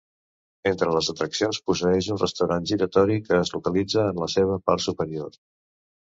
Entre altres atraccions posseeix un restaurant giratori que es localitza en la seva part superior.